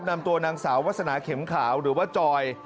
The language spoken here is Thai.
นำตัวนางสาววัฒนาเข็มขาวหรือว่าจอย